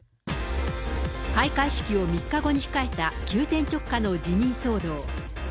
開会式を３日後に控えた急転直下の辞任騒動。